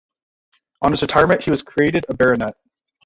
On his retirement he was created a baronet.